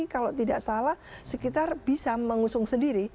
kalau tidak salah sekitar bisa mengusung sendiri